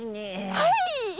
はい！